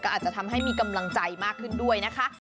อาจจะทำให้มีกำลังใจมากขึ้นด้วยนะคะ